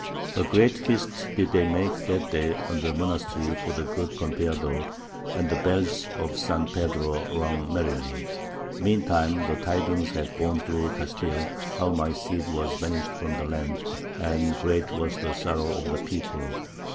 "A great feast did they make that day in the monastery for the good Campeador, and the bells of St. Pedro's rung merrily. Meantime the tidings had gone through Castile how my Cid was banished from the land, and great was the sorrow of the people.